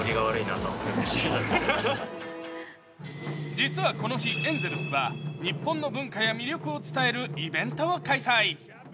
実は、この日、エンゼルスは日本の文化や魅力を伝えるイベントを開催。